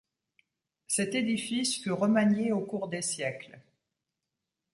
Cet édifice fut remanié au cours des siècles.